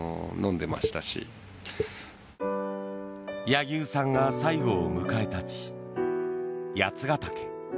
柳生さんが最後を迎えた地八ケ岳。